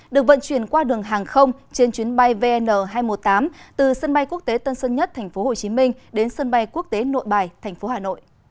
được vận chuyển qua đường hàng không trên chuyến bay vn hai trăm một mươi tám từ sân bay quốc tế tân sơn nhất tp hcm đến sân bay quốc tế nội bài tp hà nội